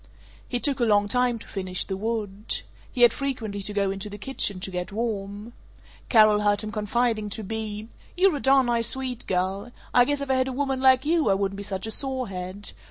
He took a long time to finish the wood. He had frequently to go into the kitchen to get warm. Carol heard him confiding to Bea, "You're a darn nice Swede girl. I guess if I had a woman like you I wouldn't be such a sorehead.